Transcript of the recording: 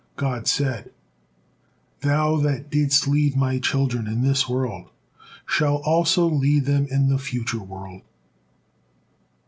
God said: "Thou that didst lead My children in this world, shalt also lead them in the future world.